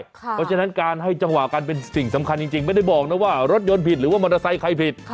เพราะฉะนั้นการให้จังหวะกันเป็นสิ่งสำคัญจริงไม่ได้บอกนะว่ารถยนต์ผิดหรือว่ามอเตอร์ไซค์ใครผิด